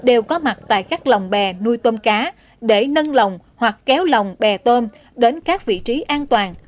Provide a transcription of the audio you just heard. ông có mặt tại các lồng bè nuôi tôm cá để nâng lồng hoặc kéo lồng bè tôm đến các vị trí an toàn